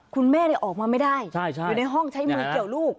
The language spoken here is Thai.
คุณแม่ออกมาไม่ได้อยู่ในห้องใช้มือเกี่ยวลูก